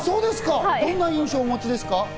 どんな印象をお持ちですか？